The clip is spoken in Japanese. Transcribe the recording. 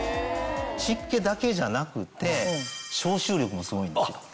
湿気だけじゃなくて消臭力もすごいんですよ。